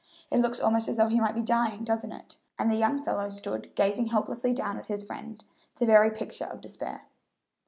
It looks almost as though he might be dying, doesn't it?" and the young fellow stood gazing helplessly down at his friend, the very picture of despair.